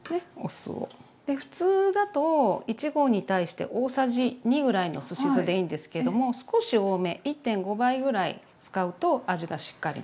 普通だと１合に対して大さじ２ぐらいのすし酢でいいんですけれども少し多め１．５倍ぐらい使うと味がしっかりのります。